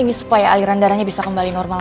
ini supaya aliran darahnya bisa kembali normal